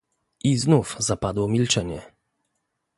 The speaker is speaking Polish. "I znów zapadło milczenie."